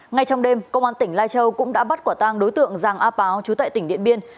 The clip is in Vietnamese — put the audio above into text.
ngay trong đêm công an tỉnh lai châu cũng đã bắt quả tang đối tượng giàng a páo trú tại tỉnh điện biên